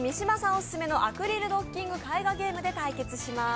オススメの「アクリルドッキング絵画ゲーム」で対決します。